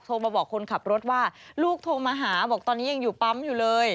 มาบอกคนขับรถว่าลูกโทรมาหาบอกตอนนี้ยังอยู่ปั๊มอยู่เลย